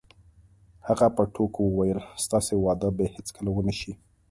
هغې په ټوکو وویل: ستاسې واده به هیڅکله ونه شي.